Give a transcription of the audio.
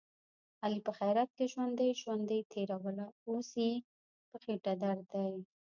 علي په خیرات کې ژوندۍ ژوندۍ تېروله، اوس یې په خېټه درد دی.